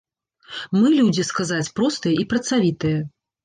Мы людзі, сказаць, простыя і працавітыя.